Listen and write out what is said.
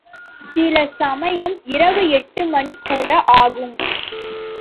சில சமயம் இரவு எட்டு மணி கூட ஆகும்.